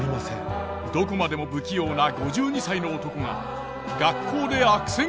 どこまでも不器用な５２歳の男が学校で悪戦苦闘。